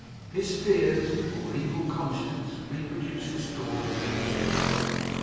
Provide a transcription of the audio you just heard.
His fears or evil conscience reproduced this door in all his dreams.